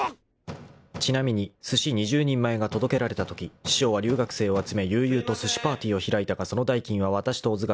［ちなみにすし２０人前が届けられたとき師匠は留学生を集め悠々とすしパーティーを開いたがその代金はわたしと小津が折半した］